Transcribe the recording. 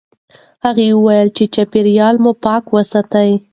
هغه وویل چې چاپیریال مو پاک وساتئ.